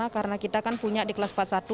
karena kita kan punya di kelas empat puluh satu